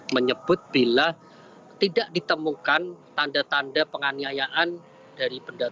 menyebut bila tidak ditemukan tanda tanda penganiayaan dari pendatang